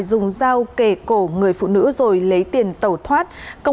dùng dao kề cổ người phụ nữ rồi lấy tiền tẩu thoát